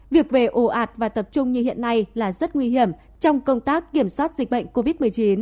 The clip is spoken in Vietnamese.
việc về ồ ạt và tập trung như hiện nay là rất nguy hiểm trong công tác kiểm soát dịch bệnh covid một mươi chín